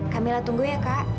kamila tunggu ya kak